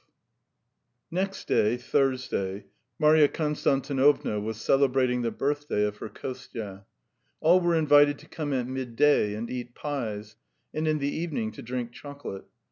XII Next day, Thursday, Marya Konstantinovna was celebrating the birthday of her Kostya. All were invited to come at midday and eat pies, and in the evening to drink chocolate.